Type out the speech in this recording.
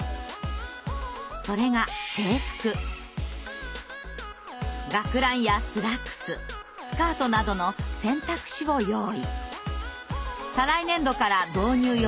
それが学ランやスラックススカートなどの選択肢を用意。